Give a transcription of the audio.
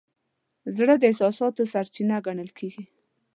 زړه د احساساتو سرچینه ګڼل کېږي.